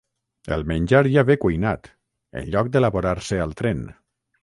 El menjar ja ve cuinat, en lloc d'elaborar-se al tren.